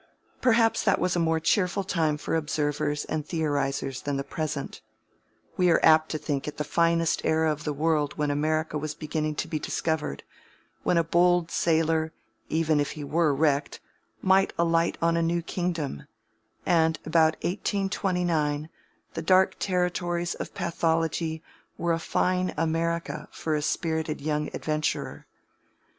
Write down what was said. Perhaps that was a more cheerful time for observers and theorizers than the present; we are apt to think it the finest era of the world when America was beginning to be discovered, when a bold sailor, even if he were wrecked, might alight on a new kingdom; and about 1829 the dark territories of Pathology were a fine America for a spirited young adventurer.